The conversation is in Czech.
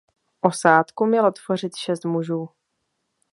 Osádku mělo tvořit šest mužů.